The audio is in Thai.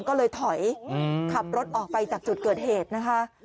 ก็เลยถอยขับรถออกไปจากจุดเกิดเหตุนะคะ